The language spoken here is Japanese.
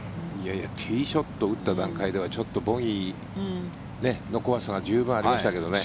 ティーショットを打った段階ではちょっとボギーの怖さが十分ありましたけどね。